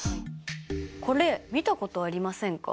これ見たことありませんか？